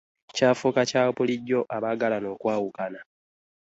Kyafuuka kya bulijjo abaagalana okwawukana.